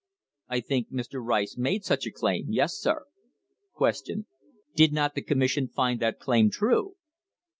I think Mr. Rice made such a claim; yes, sir. Q. Did not the commission find that claim true